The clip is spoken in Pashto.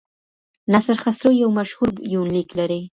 ناصر خسرو یو مشهور یونلیک لري.